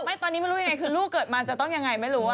เริ่มรู้เกิดมาจะต้องยังไงไม่รู้อ่ะ